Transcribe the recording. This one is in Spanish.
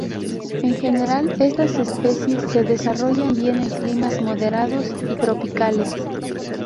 En general, estas especies se desarrollan bien en climas moderados y tropicales.